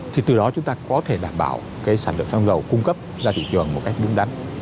thì từ đó chúng ta có thể đảm bảo cái sản lượng xăng dầu cung cấp ra thị trường một cách đúng đắn